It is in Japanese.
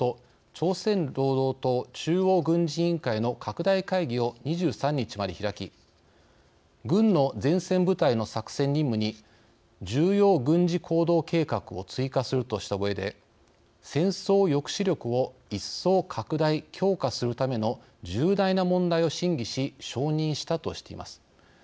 朝鮮労働党中央軍事委員会の拡大会議を２３日まで開き軍の前線部隊の作戦任務に重要軍事行動計画を追加するとしたうえで、戦争抑止力を一層、拡大・強化するための重大な問題を審議し承認したとしています。